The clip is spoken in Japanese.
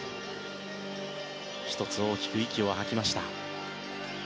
１つ、大きく息を吐きました。